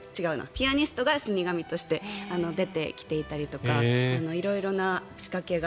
ピアニストが死に神として出てきていたりとか色々な仕掛けが。